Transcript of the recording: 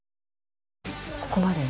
ここまでよ。